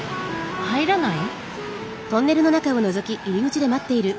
入らない？